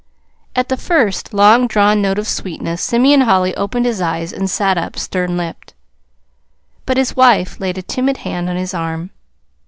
At the first long drawn note of sweetness, Simeon Holly opened his eyes and sat up, stern lipped. But his wife laid a timid hand on his arm.